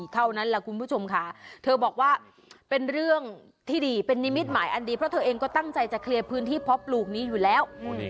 เท่านั้นแหละคุณผู้ชมค่ะเธอบอกว่าเป็นเรื่องที่ดีเป็นนิมิตหมายอันดีเพราะเธอเองก็ตั้งใจจะเคลียร์พื้นที่เพาะปลูกนี้อยู่แล้ว